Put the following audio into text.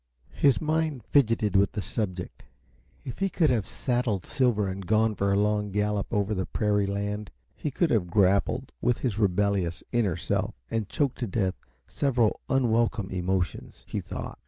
His mind fidgeted with the subject. If he could have saddled Silver and gone for a long gallop over the prairie land, he could have grappled with his rebellious inner self and choked to death several unwelcome emotions, he thought.